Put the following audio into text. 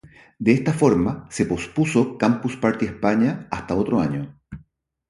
De esta forma, se pospuso Campus Party España hasta otro año.